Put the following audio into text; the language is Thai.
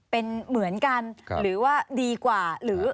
เป็นเหมือนกันหรือว่าดีกว่าหรือ